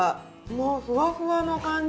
もうふわふわの感じ。